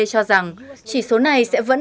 cho rằng chỉ số này sẽ vẫn